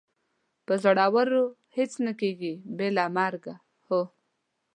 په زړورو هېڅ نه کېږي، بې له مرګه، هو.